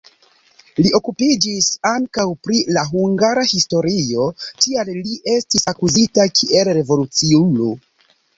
Li okupiĝis ankaŭ pri la hungara historio, tial li estis akuzita kiel revoluciulo.